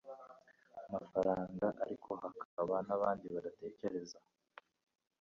mafaranga ariko hakaba n'abandi badatekereza